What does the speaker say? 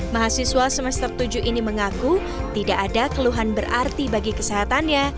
mahasiswa semester tujuh ini mengaku tidak ada keluhan berarti bagi kesehatannya